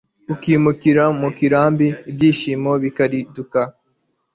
ukimukira mu kirambi , ibyishimo bikaligita